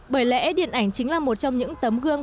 bởi lẽ điện ảnh chính là một trong những tấm gương